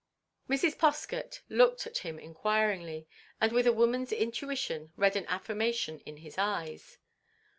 Mrs. Poskett looked at him enquiringly, and with a woman's intuition read an affirmation in his eyes.